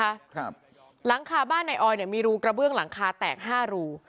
ครับหลังคาบ้านนายออยเนี่ยมีรูกระเบื้องหลังคาแตกห้ารู